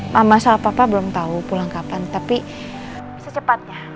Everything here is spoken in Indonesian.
mama soal papa belum tahu pulang kapan tapi secepatnya